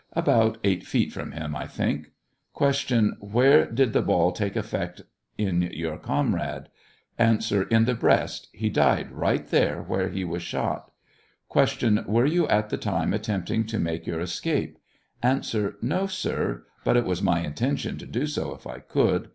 About eight feet from him, I think. Q. Where did the ball take effect in your comrade ? A. In the breast. He died right there where he was shot. Q. Were you at the time attempting to make your escape ? A. No, sir ; but it was my intention to do so if I could.